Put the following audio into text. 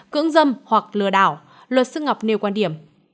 cưỡng dâm hoặc lừa đảo luật sư ngọc nêu quan điểm